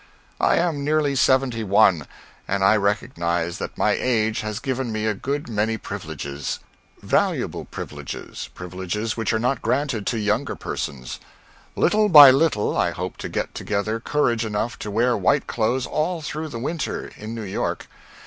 I am nearly seventy one, and I recognize that my age has given me a good many privileges; valuable privileges; privileges which are not granted to younger persons. Little by little I hope to get together courage enough to wear white clothes all through the winter, in New York.